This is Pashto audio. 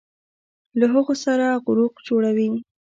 له هغو څخه غروق جوړوي